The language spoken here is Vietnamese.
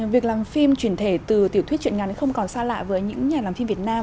việc làm phim truyền thể từ tiểu thuyết chuyện ngắn không còn xa lạ với những nhà làm phim việt nam